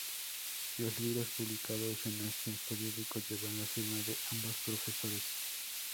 Los libros publicados en aquel período llevan la firma de ambos profesores.